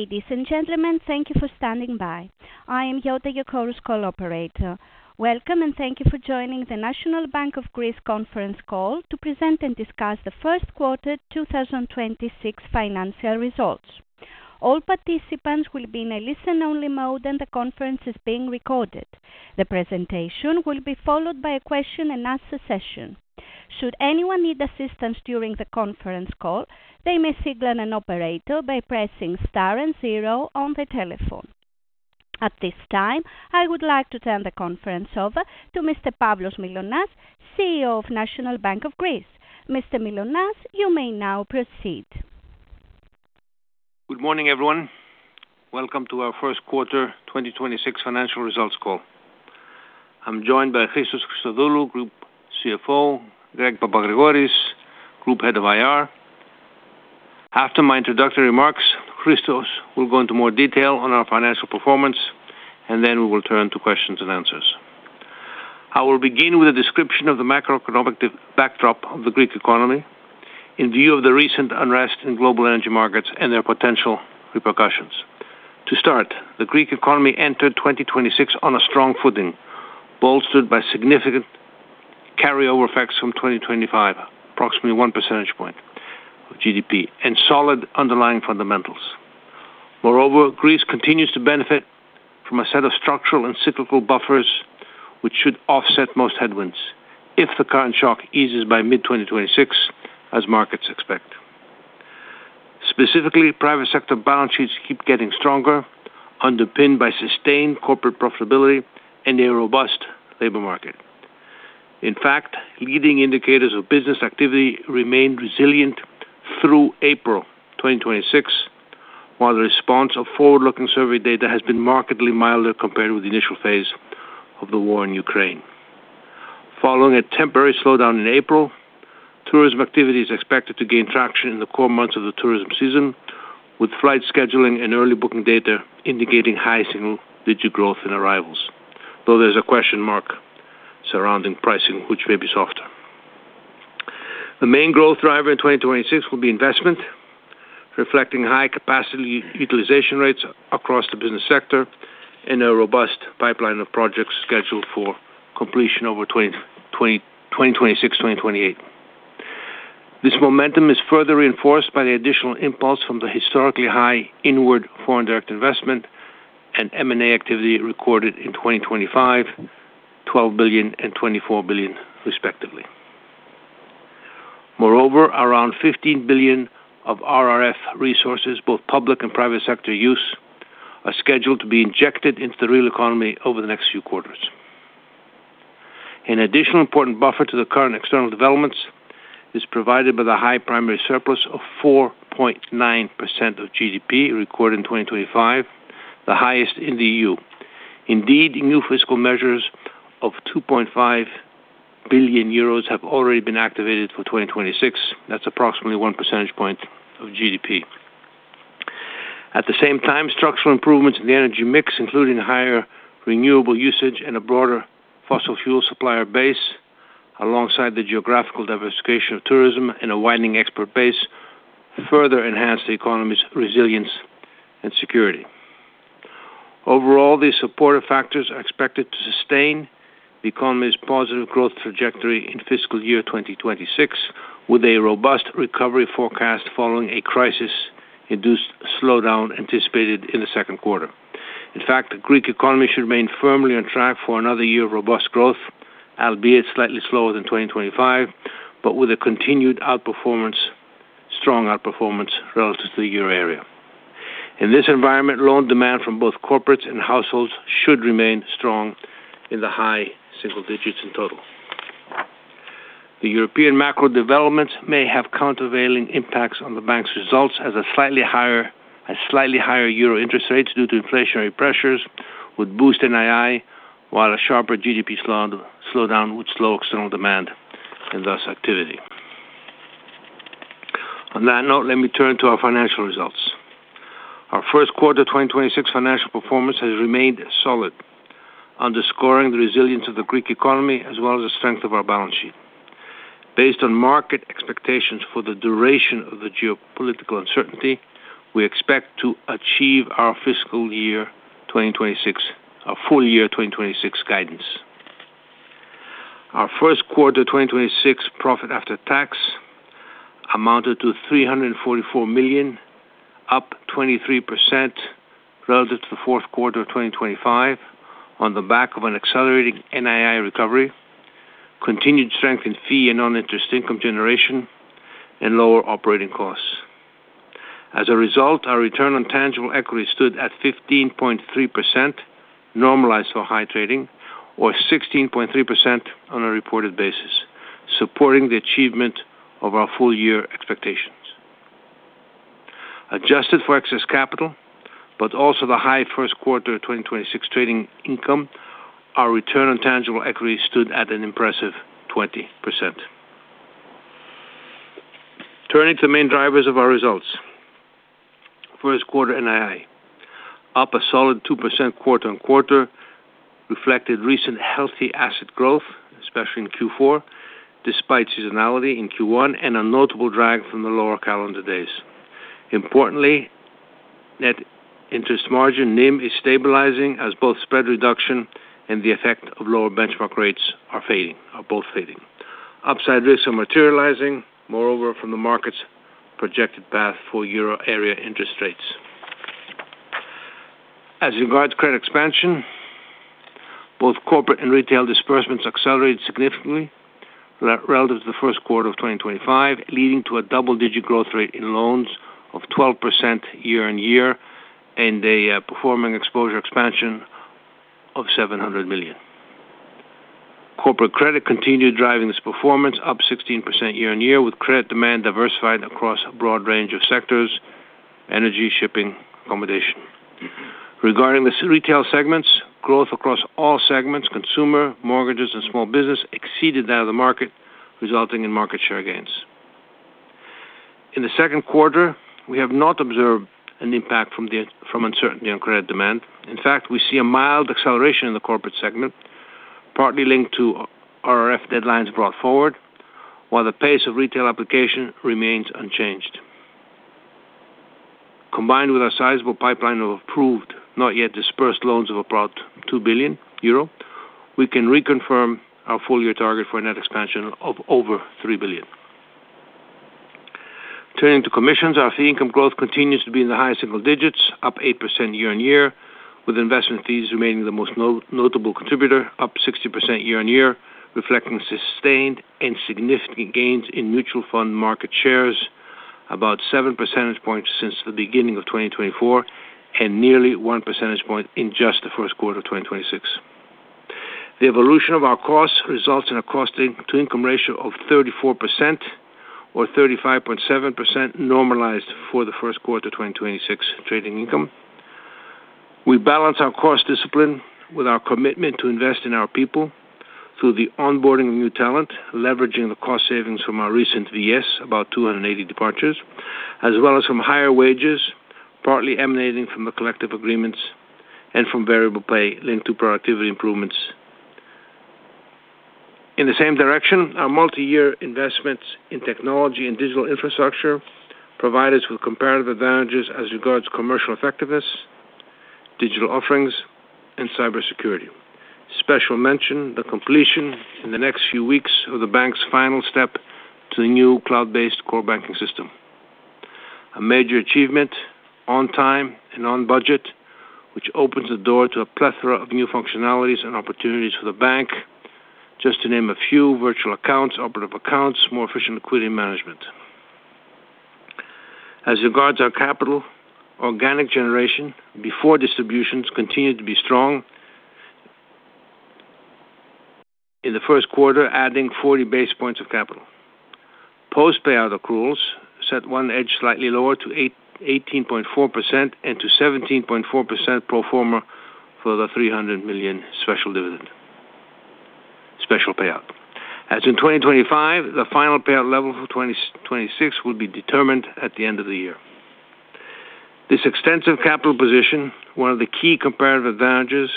Ladies and gentlemen, thank you for standing by. I am Yota, your Chorus Call operator. Welcome, and thank you for joining the National Bank of Greece conference call to present and discuss the first quarter 2026 financial results. All participants will be in a listen-only mode, and the conference is being recorded. The presentation will be followed by a question-and-answer session. Should anyone need assistance during the conference call, they may signal an operator by pressing star and zero on their telephone. At this time, I would like to turn the conference over to Mr. Pavlos Mylonas, CEO of National Bank of Greece. Mr. Mylonas, you may now proceed. Good morning, everyone. Welcome to our first quarter 2026 financial results call. I am joined by Christos Christodoulou, Group CFO, Greg Papagrigoris, Group Head of IR. After my introductory remarks, Christos will go into more detail on our financial performance, and then we will turn to questions and answers. I will begin with a description of the macroeconomic backdrop of the Greek economy in view of the recent unrest in global energy markets and their potential repercussions. To start, the Greek economy entered 2026 on a strong footing, bolstered by significant carryover effects from 2025, approximately 1 percentage point of GDP and solid underlying fundamentals. Moreover, Greece continues to benefit from a set of structural and cyclical buffers, which should offset most headwinds if the current shock eases by mid-2026, as markets expect. Specifically, private sector balance sheets keep getting stronger, underpinned by sustained corporate profitability and a robust labor market. In fact, leading indicators of business activity remained resilient through April 2026, while the response of forward-looking survey data has been markedly milder compared with the initial phase of the war in Ukraine. Following a temporary slowdown in April, tourism activity is expected to gain traction in the core months of the tourism season, with flight scheduling and early booking data indicating high single-digit growth in arrivals, though there's a question mark surrounding pricing, which may be softer. The main growth driver in 2026 will be investment, reflecting high capacity utilization rates across the business sector and a robust pipeline of projects scheduled for completion over 2026, 2028. This momentum is further reinforced by the additional impulse from the historically high inward foreign direct investment and M&A activity recorded in 2025, 12 billion and 24 billion, respectively. Around 15 billion of RRF resources, both public and private sector use, are scheduled to be injected into the real economy over the next few quarters. An additional important buffer to the current external developments is provided by the high primary surplus of 4.9% of GDP recorded in 2025, the highest in the EU. New fiscal measures of 2.5 billion euros have already been activated for 2026. That's approximately 1 percentage point of GDP. At the same time, structural improvements in the energy mix, including higher renewable usage and a broader fossil fuel supplier base, alongside the geographical diversification of tourism and a widening export base, further enhance the economy's resilience and security. Overall, these supportive factors are expected to sustain the economy's positive growth trajectory in fiscal year 2026, with a robust recovery forecast following a crisis-induced slowdown anticipated in the second quarter. In fact, the Greek economy should remain firmly on track for another year of robust growth, albeit slightly slower than 2025, but with a continued outperformance, strong outperformance relative to the euro area. In this environment, loan demand from both corporates and households should remain strong in the high single digits in total. The European macro developments may have countervailing impacts on the bank's results as a slightly higher euro interest rates due to inflationary pressures would boost NII, while a sharper GDP slowdown would slow external demand and thus activity. On that note, let me turn to our financial results. Our first quarter 2026 financial performance has remained solid, underscoring the resilience of the Greek economy as well as the strength of our balance sheet. Based on market expectations for the duration of the geopolitical uncertainty, we expect to achieve our fiscal year 2026, our full year 2026 guidance. Our first quarter 2026 profit after tax amounted to 344 million, up 23% relative to the fourth quarter of 2025 on the back of an accelerating NII recovery, continued strength in fee and non-interest income generation, and lower operating costs. As a result, our return on tangible equity stood at 15.3% normalized for high trading or 16.3% on a reported basis, supporting the achievement of our full year expectations. Adjusted for excess capital, but also the high first quarter 2026 trading income, our return on tangible equity stood at an impressive 20%. Turning to the main drivers of our results. First quarter NII up a solid 2% quarter-on-quarter, reflected recent healthy asset growth, especially in Q4, despite seasonality in Q1 and a notable drag from the lower calendar days. Importantly, net interest margin NIM is stabilizing as both spread reduction and the effect of lower benchmark rates are both fading. Upside risks are materializing, moreover, from the market's projected path for euro area interest rates. As regards credit expansion, both corporate and retail disbursements accelerated significantly relative to the first quarter of 2025, leading to a double-digit growth rate in loans of 12% year-on-year, and a performing exposure expansion of 700 million. Corporate credit continued driving this performance up 16% year-on-year, with credit demand diversified across a broad range of sectors: energy, shipping, accommodation. Regarding the retail segments, growth across all segments, consumer, mortgages, and small business exceeded that of the market, resulting in market share gains. In the second quarter, we have not observed an impact from uncertainty on credit demand. In fact, we see a mild acceleration in the corporate segment, partly linked to RRF deadlines brought forward, while the pace of retail application remains unchanged. Combined with our sizable pipeline of approved, not yet disbursed loans of about 2 billion euro, we can reconfirm our full-year target for a net expansion of over 3 billion. Turning to commissions, our fee income growth continues to be in the highest single digits, up 8% year on year, with investment fees remaining the most notable contributor, up 60% year on year, reflecting sustained and significant gains in mutual fund market shares, about 7 percentage points since the beginning of 2024, and nearly 1 percentage point in just the first quarter of 2026. The evolution of our costs results in a cost-to-income ratio of 34% or 35.7% normalized for the first quarter of 2026 trading income. We balance our cost discipline with our commitment to invest in our people through the onboarding of new talent, leveraging the cost savings from our recent VES, about 280 departures, as well as from higher wages, partly emanating from the collective agreements and from variable pay linked to productivity improvements. In the same direction, our multi-year investments in technology and digital infrastructure provide us with comparative advantages as regards commercial effectiveness, digital offerings, and cybersecurity. Special mention, the completion in the next few weeks of the bank's final step to the new cloud-based core banking system. A major achievement on time and on budget, which opens the door to a plethora of new functionalities and opportunities for the bank, just to name a few: virtual accounts, operative accounts, more efficient liquidity management. As regards our capital, organic generation before distributions continued to be strong in the first quarter, adding 40 basis points of capital. Post payout accruals, CET1 edged slightly lower to 18.4% and to 17.4% pro forma for the 300 million special dividend, special payout. As in 2025, the final payout level for 2026 will be determined at the end of the year. This extensive capital position, one of the key comparative advantages,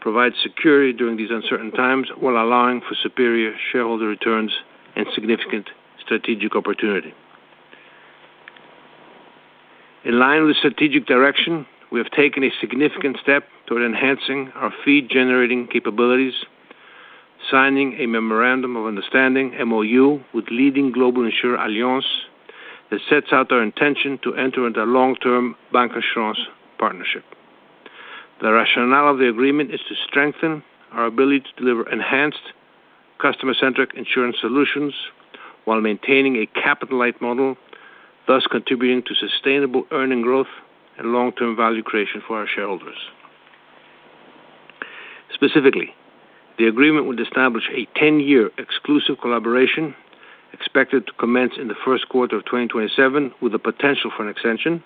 provides security during these uncertain times while allowing for superior shareholder returns and significant strategic opportunity. In line with strategic direction, we have taken a significant step toward enhancing our fee-generating capabilities, signing a Memorandum of Understanding, MOU, with leading global insurer Allianz, that sets out our intention to enter into a long-term bancassurance partnership. The rationale of the agreement is to strengthen our ability to deliver enhanced customer-centric insurance solutions while maintaining a capital-light model, thus contributing to sustainable earning growth and long-term value creation for our shareholders. Specifically, the agreement would establish a 10-year exclusive collaboration expected to commence in the first quarter of 2027 with the potential for an extension,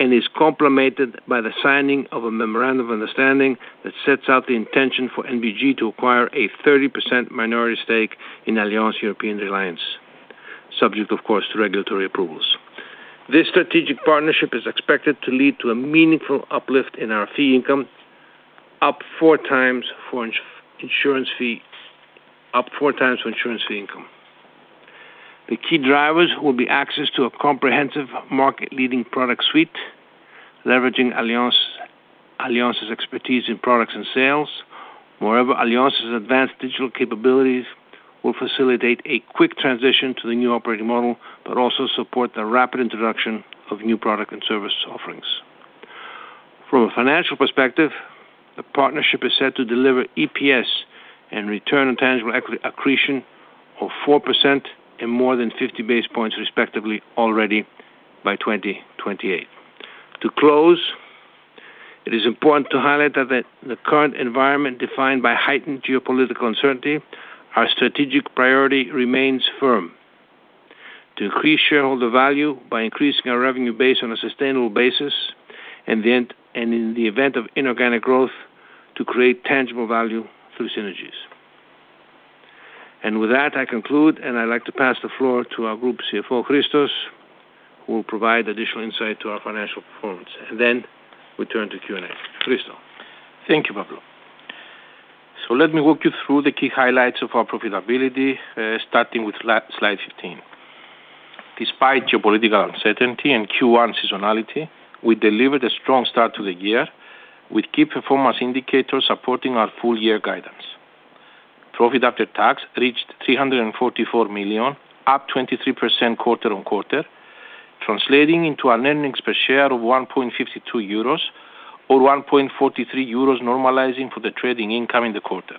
and is complemented by the signing of a memorandum of understanding that sets out the intention for NBG to acquire a 30% minority stake in Allianz European Reliance, subject, of course, to regulatory approvals. This strategic partnership is expected to lead to a meaningful uplift in our fee income, up 4x for insurance fee income. The key drivers will be access to a comprehensive market-leading product suite, leveraging Allianz's expertise in products and sales. Moreover, Allianz's advanced digital capabilities will facilitate a quick transition to the new operating model, but also support the rapid introduction of new product and service offerings. From a financial perspective, the partnership is set to deliver EPS and return on tangible equity accretion of 4% and more than 50 basis points, respectively, already by 2028. To close, it is important to highlight that the current environment defined by heightened geopolitical uncertainty, our strategic priority remains firm: to increase shareholder value by increasing our revenue base on a sustainable basis and in the event of inorganic growth, to create tangible value through synergies. With that, I conclude, and I'd like to pass the floor to our Group CFO, Christos, who will provide additional insight to our financial performance. Then we turn to Q&A. Christos. Thank you, Pavlos. Let me walk you through the key highlights of our profitability, starting with slide 15. Despite geopolitical uncertainty and Q1 seasonality, we delivered a strong start to the year with key performance indicators supporting our full year guidance. Profit after tax reached 344 million, up 23% quarter-on-quarter, translating into an earnings per share of 1.52 euros or 1.43 euros normalizing for the trading income in the quarter.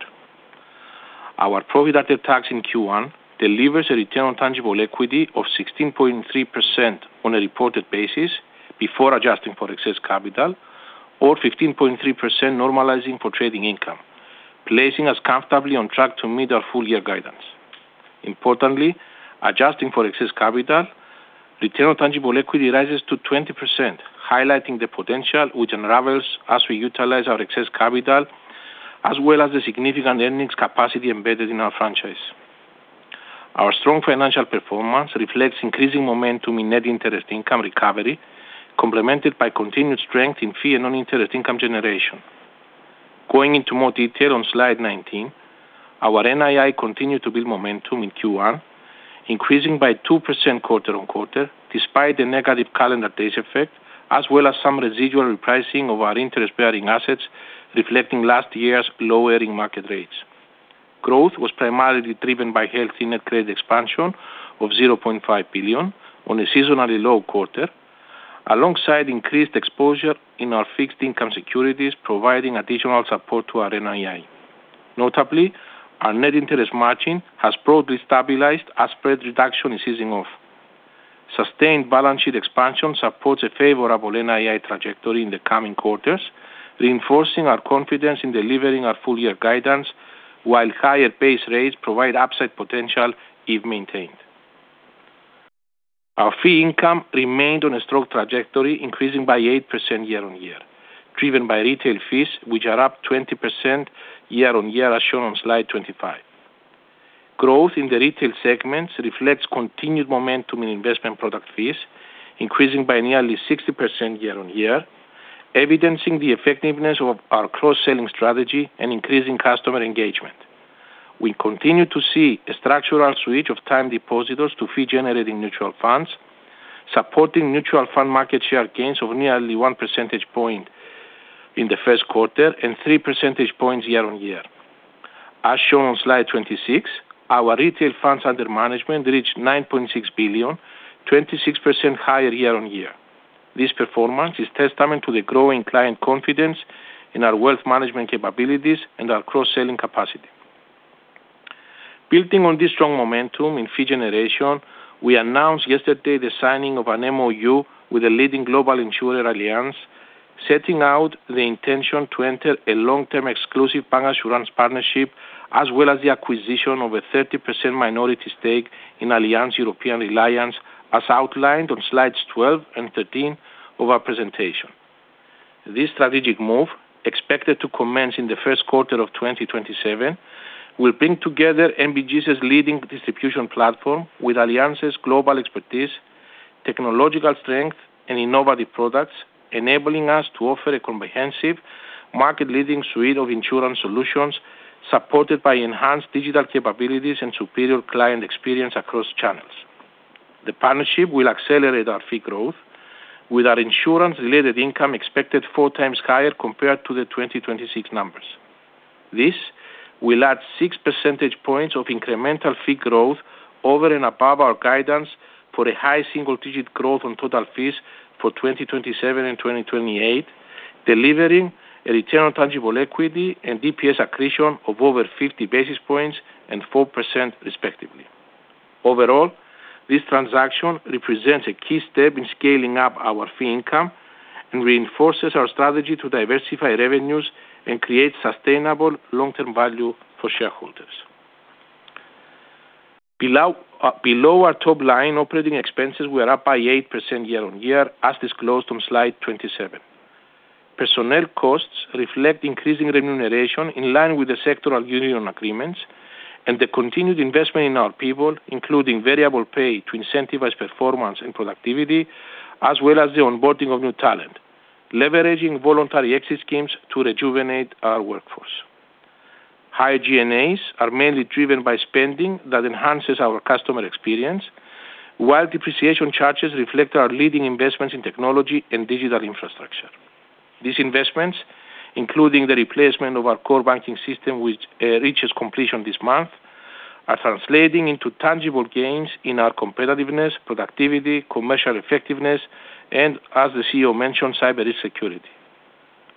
Our profit after tax in Q1 delivers a return on tangible equity of 16.3% on a reported basis before adjusting for excess capital or 15.3% normalizing for trading income, placing us comfortably on track to meet our full year guidance. Importantly, adjusting for excess capital, return on tangible equity rises to 20%, highlighting the potential which unravels as we utilize our excess capital, as well as the significant earnings capacity embedded in our franchise. Our strong financial performance reflects increasing momentum in net interest income recovery, complemented by continued strength in fee and non-interest income generation. Going into more detail on slide 19, our NII continued to build momentum in Q1, increasing by 2% quarter-on-quarter despite the negative calendar days effect, as well as some residual repricing of our interest-bearing assets reflecting last year's lower in market rates. Growth was primarily driven by healthy net credit expansion of 0.5 billion on a seasonally low quarter, alongside increased exposure in our fixed income securities, providing additional support to our NII. Notably, our net interest margin has broadly stabilized as spread reduction is easing off. Sustained balance sheet expansion supports a favorable NII trajectory in the coming quarters, reinforcing our confidence in delivering our full year guidance, while higher base rates provide upside potential if maintained. Our fee income remained on a strong trajectory, increasing by 8% year-on-year, driven by retail fees, which are up 20% year-on-year, as shown on slide 25. Growth in the retail segments reflects continued momentum in investment product fees, increasing by nearly 60% year-on-year, evidencing the effectiveness of our cross-selling strategy and increasing customer engagement. We continue to see a structural switch of time depositors to fee-generating mutual funds, supporting mutual fund market share gains of nearly 1 percentage point in the first quarter and 3 percentage points year-on-year. As shown on slide 26, our retail funds under management reached 9.6 billion, 26% higher year-on-year. This performance is testament to the growing client confidence in our wealth management capabilities and our cross-selling capacity. Building on this strong momentum in fee generation, we announced yesterday the signing of an MOU with a leading global insurer, Allianz, setting out the intention to enter a long-term exclusive bancassurance partnership, as well as the acquisition of a 30% minority stake in Allianz European Reliance, as outlined on slides 12 and 13 of our presentation. This strategic move, expected to commence in the first quarter of 2027, will bring together NBG's leading distribution platform with Allianz's global expertise, technological strength, and innovative products, enabling us to offer a comprehensive market-leading suite of insurance solutions supported by enhanced digital capabilities and superior client experience across channels. The partnership will accelerate our fee growth, with our insurance-related income expected 4x higher compared to the 2026 numbers. This will add 6 percentage points of incremental fee growth over and above our guidance for a high single-digit growth on total fees for 2027 and 2028, delivering a return on tangible equity and DPS accretion of over 50 basis points and 4%, respectively. Overall, this transaction represents a key step in scaling up our fee income and reinforces our strategy to diversify revenues and create sustainable long-term value for shareholders. Below our top line operating expenses, we are up by 8% year on year, as disclosed on slide 27. Personnel costs reflect increasing remuneration in line with the sectoral union agreements and the continued investment in our people, including variable pay to incentivize performance and productivity, as well as the onboarding of new talent, leveraging voluntary exit schemes to rejuvenate our workforce. Higher G&A are mainly driven by spending that enhances our customer experience, while depreciation charges reflect our leading investments in technology and digital infrastructure. These investments, including the replacement of our core banking system, which reaches completion this month, are translating into tangible gains in our competitiveness, productivity, commercial effectiveness, and, as the CEO mentioned, cybersecurity.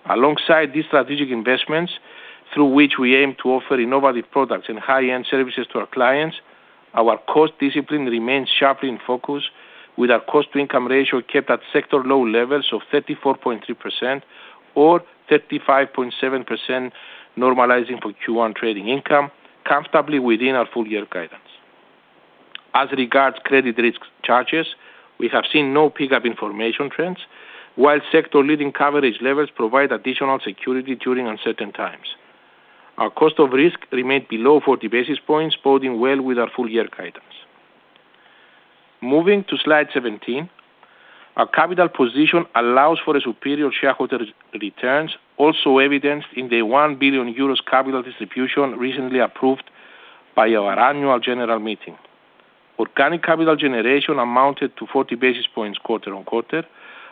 Alongside these strategic investments, through which we aim to offer innovative products and high-end services to our clients, our cost discipline remains sharply in focus, with our cost-to-income ratio kept at sector low levels of 34.3% or 35.7% normalizing for Q1 trading income, comfortably within our full year guidance. As regards credit risk charges, we have seen no pickup in formation trends, while sector-leading coverage levels provide additional security during uncertain times. Our cost of risk remained below 40 basis points, boding well with our full year guidance. Moving to slide 17, our capital position allows for a superior shareholder re-returns, also evidenced in the 1 billion euros capital distribution recently approved by our annual general meeting. Organic capital generation amounted to 40 basis points quarter on quarter,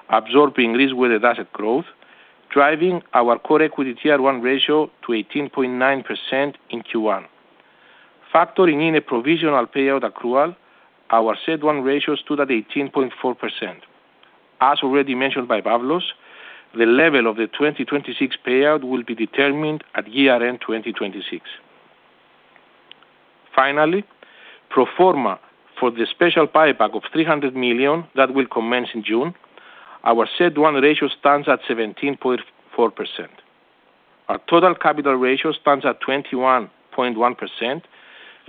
absorbing risk-weighted asset growth, driving our Core Equity Tier 1 ratio to 18.9% in Q1. Factoring in a provisional payout accrual, our CET1 ratio stood at 18.4%. As already mentioned by Pavlos, the level of the 2026 payout will be determined at year end 2026. Finally, pro forma for the special buyback of 300 million that will commence in June, our CET1 ratio stands at 17.4%. Our total capital ratio stands at 21.1%,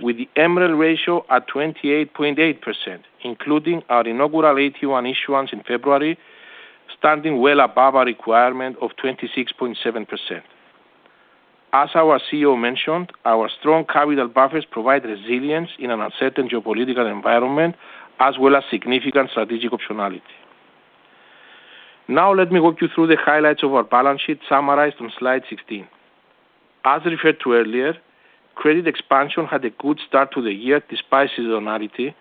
with the MREL ratio at 28.8%, including our inaugural AT1 issuance in February, standing well above our requirement of 26.7%. As our CEO mentioned, our strong capital buffers provide resilience in an uncertain geopolitical environment, as well as significant strategic optionality. Let me walk you through the highlights of our balance sheet summarized on slide 16. As referred to earlier, credit expansion had a good start to the year despite seasonality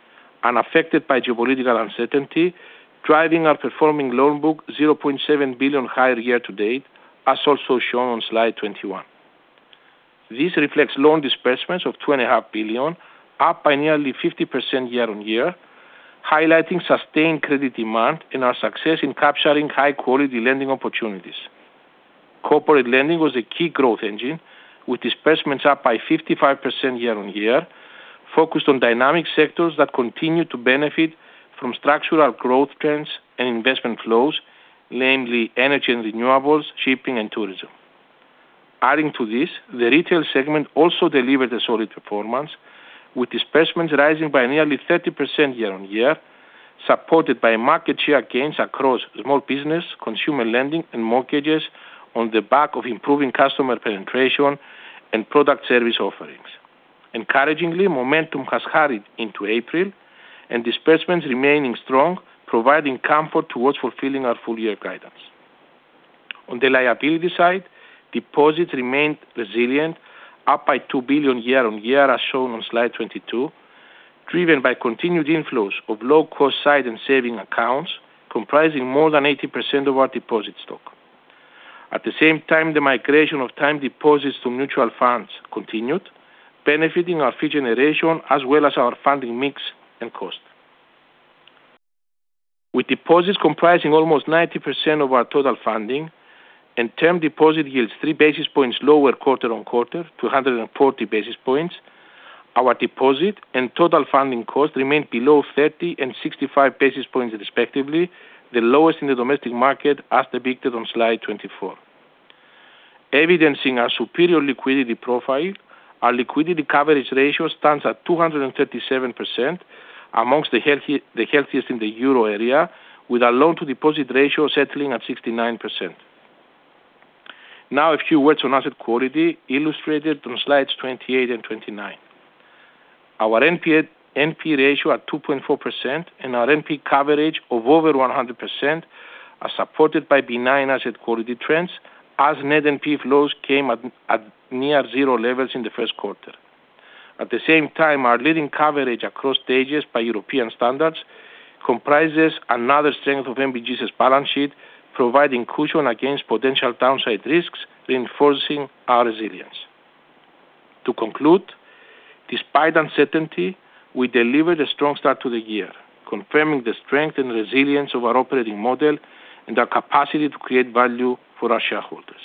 and affected by geopolitical uncertainty, driving our performing loan book 0.7 billion higher year-to-date, as also shown on slide 21. This reflects loan disbursements of 2.5 billion, up by nearly 50% year-on-year, highlighting sustained credit demand and our success in capturing high-quality lending opportunities. Corporate lending was a key growth engine, with disbursements up by 55% year-on-year, focused on dynamic sectors that continue to benefit from structural growth trends and investment flows, namely energy and renewables, shipping and tourism. The retail segment also delivered a solid performance, with disbursements rising by nearly 30% year-on-year, supported by market share gains across small business, consumer lending and mortgages on the back of improving customer penetration and product service offerings. Encouragingly, momentum has carried into April and disbursements remaining strong, providing comfort towards fulfilling our full year guidance. On the liability side, deposits remained resilient, up by 2 billion year-on-year, as shown on slide 22, driven by continued inflows of low-cost sight and saving accounts, comprising more than 80% of our deposit stock. At the same time, the migration of time deposits to mutual funds continued, benefiting our fee generation as well as our funding mix and cost. With deposits comprising almost 90% of our total funding and term deposit yields 3 basis points lower quarter-on-quarter to 140 basis points, our deposit and total funding cost remained below 30 and 65 basis points respectively, the lowest in the domestic market, as depicted on slide 24. Evidencing our superior liquidity profile, our liquidity coverage ratio stands at 237% amongst the healthiest in the euro area, with our loan to deposit ratio settling at 69%. Now a few words on asset quality illustrated on slides 28 and 29. Our NPE ratio at 2.4% and our NPE coverage of over 100% are supported by benign asset quality trends as net NPE flows came at near zero levels in the first quarter. At the same time, our leading coverage across stages by European standards comprises another strength of NBG's balance sheet, providing cushion against potential downside risks, reinforcing our resilience. To conclude, despite uncertainty, we delivered a strong start to the year, confirming the strength and resilience of our operating model and our capacity to create value for our shareholders.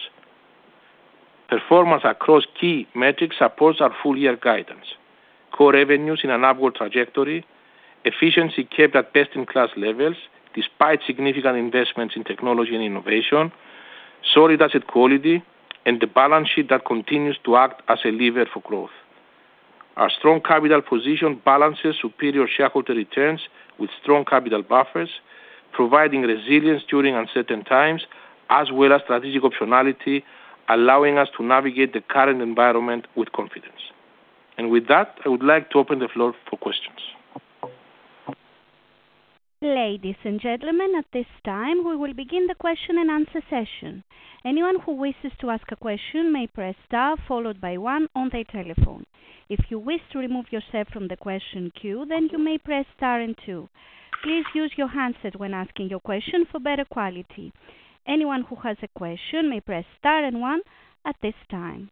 Performance across key metrics supports our full year guidance. Core revenues in an upward trajectory, efficiency kept at best in class levels despite significant investments in technology and innovation, solid asset quality and the balance sheet that continues to act as a lever for growth. Our strong capital position balances superior shareholder returns with strong capital buffers, providing resilience during uncertain times as well as strategic optionality, allowing us to navigate the current environment with confidence. With that, I would like to open the floor for questions. Ladies and gentlemen, at this time, we will begin the question and answer session. Anyone who wishes to ask a question may press star one on their telephone. If you wish to remove yourself from the question queue, then you may press star two. Please use your handset when asking your question for better quality. Anyone who has a question may press star one at this time.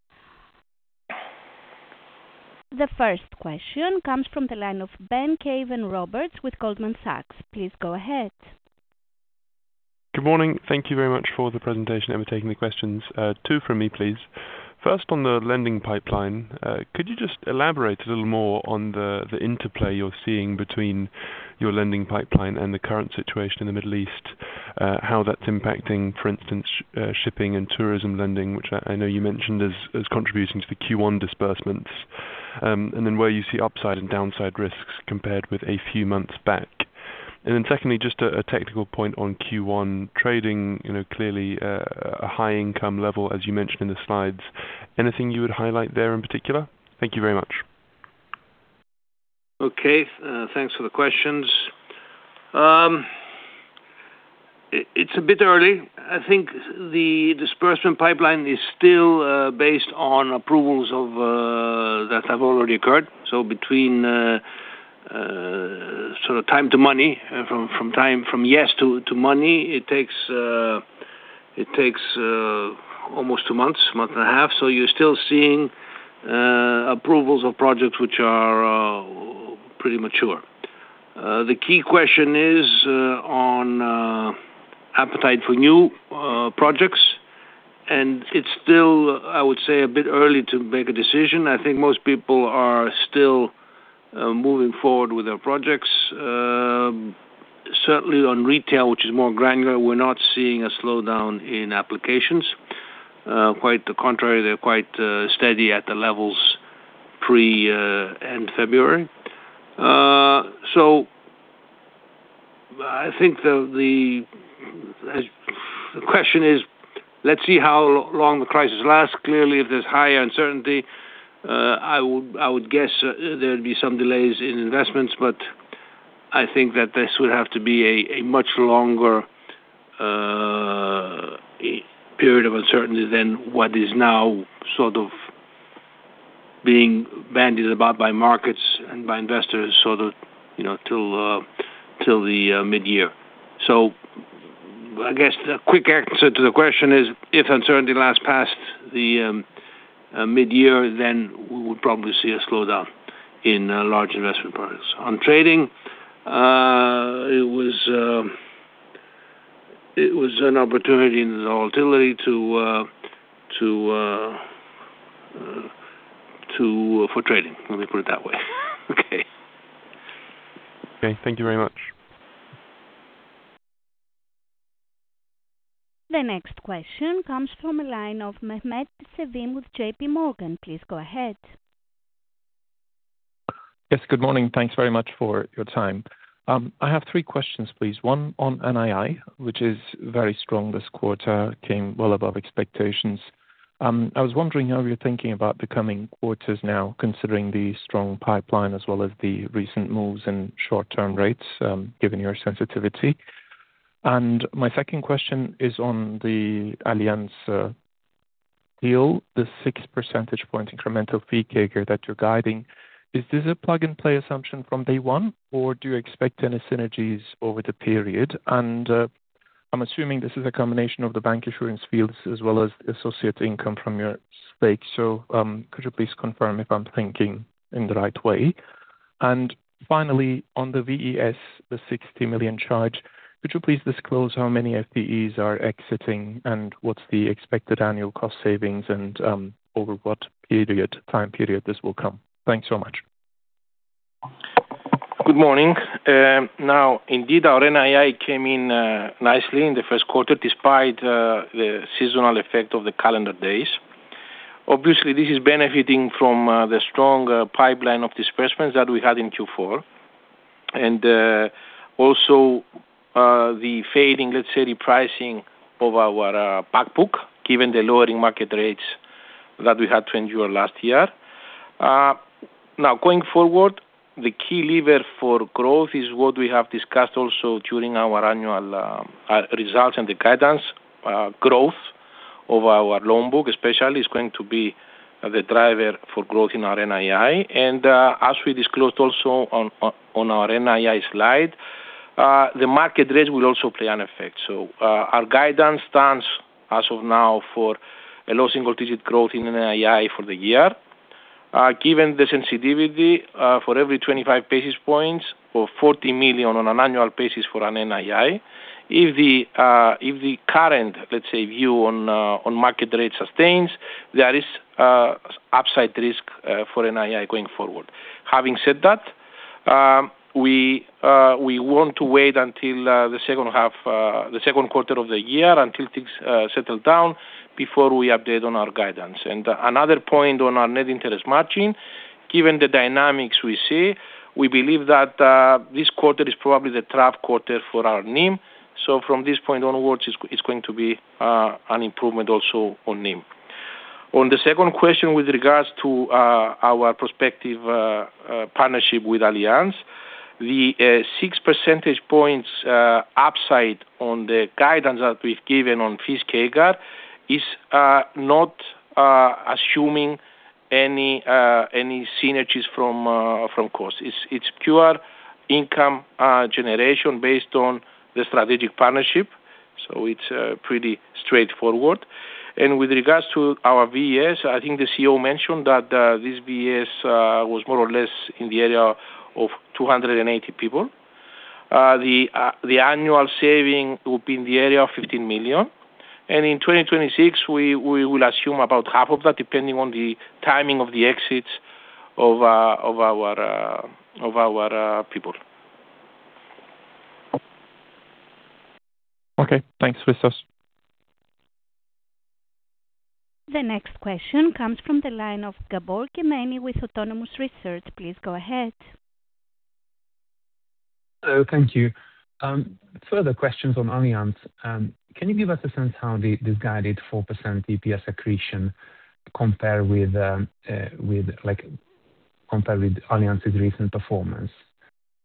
The first question comes from the line of Ben Caven-Roberts with Goldman Sachs. Please go ahead. Good morning. Thank you very much for the presentation and taking the questions. Two from me, please. First, on the lending pipeline, could you just elaborate a little more on the interplay you're seeing between your lending pipeline and the current situation in the Middle East? How that's impacting, for instance, shipping and tourism lending, which I know you mentioned as contributing to the Q1 disbursements. Where you see upside and downside risks compared with a few months back. Secondly, just a technical point on Q1 trading, you know, clearly, a high income level, as you mentioned in the slides. Anything you would highlight there in particular? Thank you very much. Okay. Thanks for the questions. It's a bit early. I think the disbursement pipeline is still based on approvals of that have already occurred. Between sort of time to money, from time from yes to money, it takes almost two months, a month and a half. You're still seeing approvals of projects which are pretty mature. The key question is on appetite for new projects, and it's still, I would say, a bit early to make a decision. I think most people are still moving forward with their projects. Certainly on retail, which is more granular, we're not seeing a slowdown in applications. Quite the contrary, they're quite steady at the levels pre end February. I think the question is, let's see how long the crisis lasts. Clearly, if there's higher uncertainty, I would guess there'd be some delays in investments, but I think that this would have to be a much longer period of uncertainty than what is now sort of being bandied about by markets and by investors, sort of, you know, till the mid-year. I guess the quick answer to the question is if uncertainty lasts past the mid-year, then we would probably see a slowdown in large investment products. On trading, it was an opportunity in the volatility for trading, let me put it that way. Okay. Thank you very much. The next question comes from the line of Mehmet Sevim with JPMorgan, please go ahead. Yes, good morning. Thanks very much for your time. I have three questions, please. One, on NII, which is very strong this quarter, came well above expectations. I was wondering how you're thinking about the coming quarters now, considering the strong pipeline as well as the recent moves in short-term rates, given your sensitivity. My second question is on the Allianz deal, the 6 percentage point incremental fee CAGR that you're guiding. Is this a plug-and-play assumption from day one, or do you expect any synergies over the period? I'm assuming this is a combination of the bancassurance fees as well as associate income from your stake. Could you please confirm if I'm thinking in the right way? Finally, on the VES, the 60 million charge, could you please disclose how many FTEs are exiting and what's the expected annual cost savings and over what period, time period this will come? Thanks so much. Good morning. Now, indeed, our NII came in nicely in the 1st quarter, despite the seasonal effect of the calendar days. Obviously, this is benefiting from the strong pipeline of disbursements that we had in Q4. Also, the fading, let's say, repricing of our back book, given the lowering market rates that we had to endure last year. Now, going forward, the key lever for growth is what we have discussed also during our annual results and the guidance, growth of our loan book especially, is going to be the driver for growth in our NII. As we disclosed also on our NII slide, the market rates will also play an effect. Our guidance stands as of now for a low single-digit growth in NII for the year. Given the sensitivity, for every 25 basis points or 40 million on an annual basis for an NII, if the, if the current, let's say, view on market rates sustains, there is upside risk for NII going forward. Having said that, we want to wait until the second half, the second quarter of the year until things settle down before we update on our guidance. Another point on our net interest margin, given the dynamics we see, we believe that this quarter is probably the trough quarter for our NIM. From this point onwards, it's going to be an improvement also on NIM. On the second question with regards to our prospective partnership with Allianz, the 6 percentage points upside on the guidance that we've given on fees CAGR is not assuming any synergies from costs. It's pure income generation based on the strategic partnership, so it's pretty straightforward. With regards to our VES, I think the CEO mentioned that this VES was more or less in the area of 280 people. The annual saving will be in the area of 15 million. In 2026, we will assume about half of that, depending on the timing of the exits of our people. Okay, thanks. With us. The next question comes from the line of Gabor Kemeny with Autonomous Research. Please go ahead. Hello. Thank you. Further questions on Allianz. Can you give us a sense how this guided 4% EPS accretion compare with like compare with Allianz's recent performance,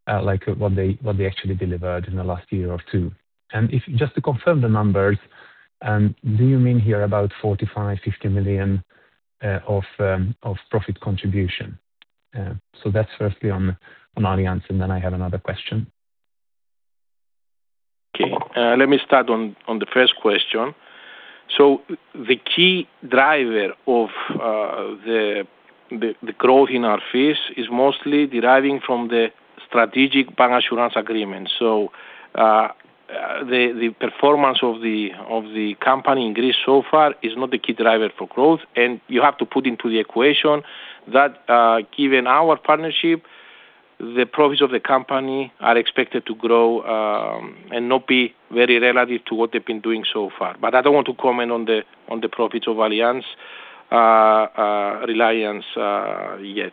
like what they actually delivered in the last year or two? If you just to confirm the numbers, do you mean here about 45 million-50 million of profit contribution? That's firstly on Allianz, and then I have another question. Okay. Let me start on the first question. The key driver of the growth in our fees is mostly deriving from the strategic bancassurance agreement. The performance of the company in Greece so far is not the key driver for growth. You have to put into the equation that given our partnership, the profits of the company are expected to grow and not be very relative to what they've been doing so far. I don't want to comment on the profits of Allianz Reliance yet.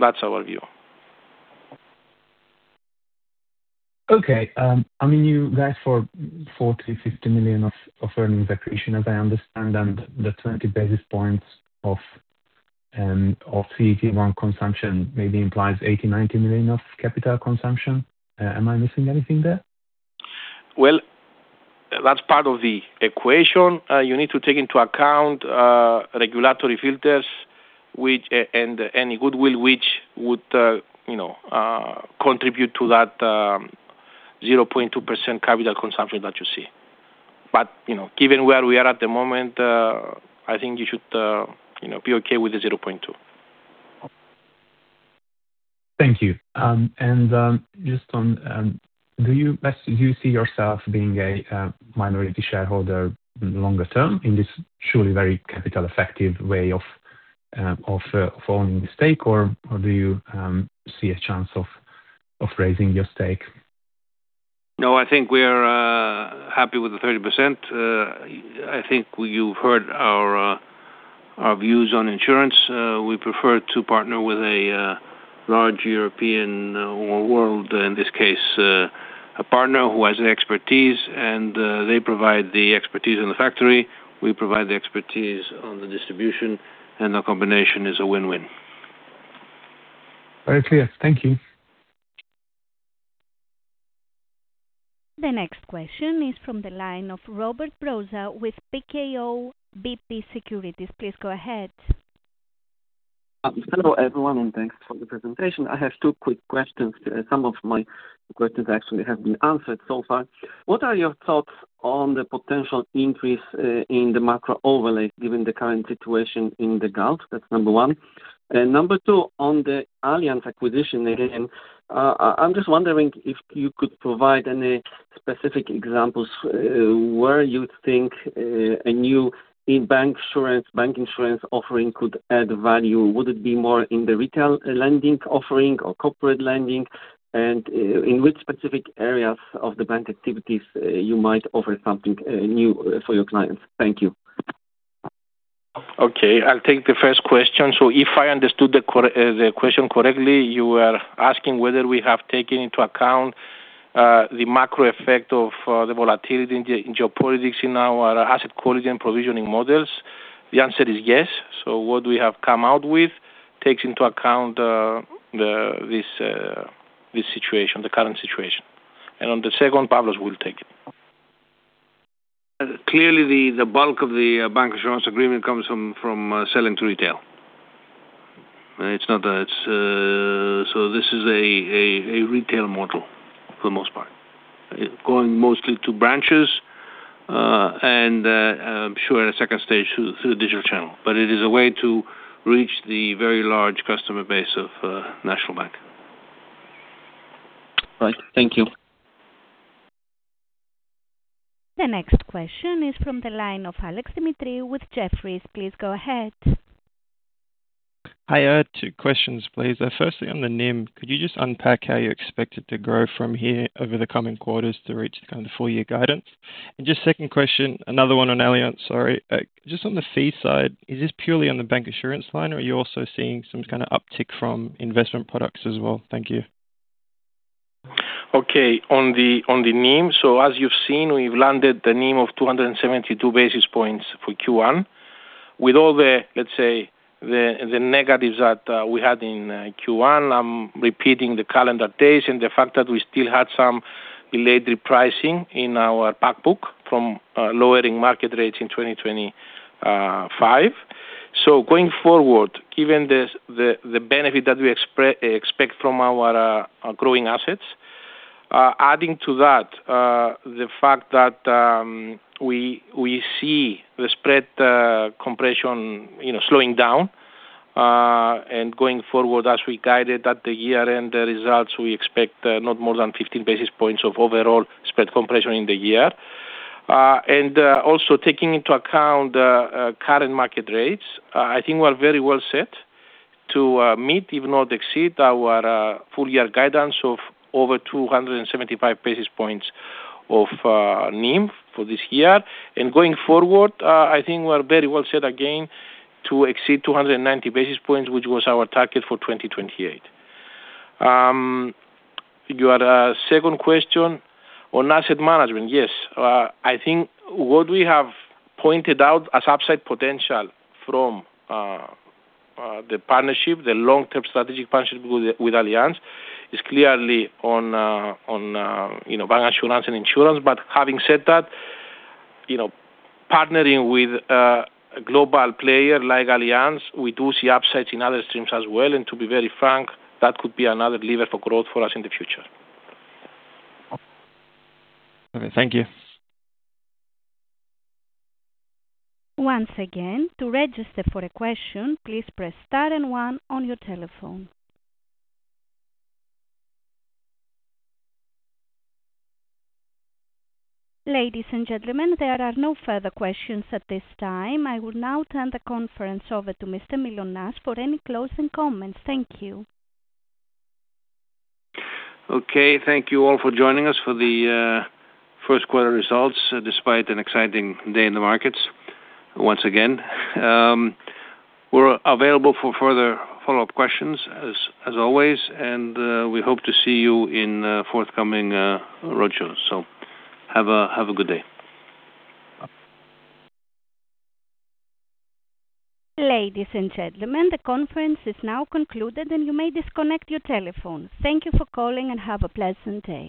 That's our view. Okay. I mean, you guys for 40 million-50 million of earnings accretion, as I understand, and the 20 basis points of CET1 consumption maybe implies 80 million-90 million of capital consumption. Am I missing anything there? That's part of the equation. You need to take into account regulatory filters which, and any goodwill which would, you know, contribute to that 0.2% capital consumption that you see. You know, given where we are at the moment, I think you should, you know, be okay with the 0.2%. Thank you. Just on, do you best you see yourself being a minority shareholder longer term in this surely very capital effective way of owning the stake or do you see a chance of raising your stake? I think we're happy with the 30%. I think you've heard our views on insurance. We prefer to partner with a large European or world, in this case, a partner who has an expertise and they provide the expertise in the factory. We provide the expertise on the distribution. The combination is a win-win. Very clear. Thank you. The next question is from the line of Robert Brzoza with PKO BP Securities. Please go ahead. Hello, everyone. Thanks for the presentation. I have two quick questions. Some of my questions actually have been answered so far. What are your thoughts on the potential increase in the macro overlay given the current situation in the Gulf? That's number one. Number two, on the Allianz acquisition again, I'm just wondering if you could provide any specific examples where you think a new bancassurance, bank insurance offering could add value. Would it be more in the retail lending offering or corporate lending? In which specific areas of the bank activities you might offer something new for your clients? Thank you. Okay. I'll take the first question. If I understood the question correctly, you are asking whether we have taken into account the macro effect of the volatility in geopolitics in our asset quality and provisioning models. The answer is yes. What we have come out with takes into account the, this situation, the current situation. On the second, Pavlos will take it. Clearly, the bulk of the bancassurance agreement comes from selling to retail. This is a retail model for the most part, going mostly to branches, and I'm sure in a second stage through the digital channel. It is a way to reach the very large customer base of National Bank. Right. Thank you. The next question is from the line of Alex Demetriou with Jefferies. Please go ahead. Hi. Two questions, please. Firstly, on the NIM, could you just unpack how you expect it to grow from here over the coming quarters to reach the full year guidance? Just second question, another one on Allianz, sorry. Just on the fee side, is this purely on the bancassurance line, or are you also seeing some kind of uptick from investment products as well? Thank you. Okay. On the NIM. As you've seen, we've landed the NIM of 272 basis points for Q1. With all the, let's say, the negatives that we had in Q1, I'm repeating the calendar days and the fact that we still had some delayed repricing in our back book from lowering market rates in 2025. Going forward, given this, the benefit that we expect from our growing assets, adding to that, the fact that, we see the spread compression, you know, slowing down, going forward as we guided at the year-end results, we expect not more than 15 basis points of overall spread compression in the year. Also taking into account current market rates, I think we're very well set to meet, if not exceed our full year guidance of over 275 basis points of NIM for this year. Going forward, I think we're very well set again to exceed 290 basis points, which was our target for 2028. You had a second question on asset management. Yes. I think what we have pointed out as upside potential from the partnership, the long-term strategic partnership with Allianz, is clearly on, you know, bancassurance and insurance. Having said that, you know, partnering with a global player like Allianz, we do see upsides in other streams as well. To be very frank, that could be another lever for growth for us in the future. Okay. Thank you. Once again, to register for a question, please press star one on your telephone. Ladies and gentlemen, there are no further questions at this time. I will now turn the conference over to Mr. Mylonas for any closing comments. Thank you. Okay. Thank you all for joining us for the first quarter results, despite an exciting day in the markets once again. We're available for further follow-up questions as always, and we hope to see you in forthcoming roadshows. Have a good day. Ladies and gentlemen, the conference is now concluded, and you may disconnect your telephones. Thank you for calling, and have a pleasant day.